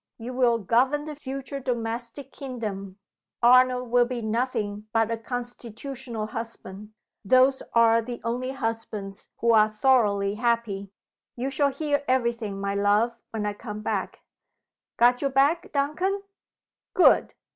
You will govern the future domestic kingdom. Arnold will be nothing but a constitutional husband. Those are the only husbands who are thoroughly happy. You shall hear every thing, my love, when I come lack. Got your bag, Duncan? Good.